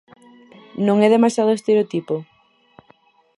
Non é demasiado estereotipo?